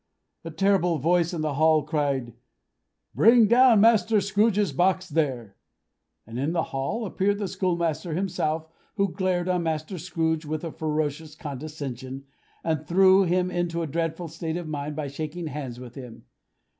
A terrible voice in the hall cried, "Bring down Master Scrooge's box, there!" and in the hall appeared the schoolmaster himself, who glared on Master Scrooge with a ferocious condescension, and threw him into a dreadful state of mind by shaking hands with him.